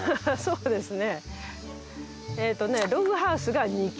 そうですね。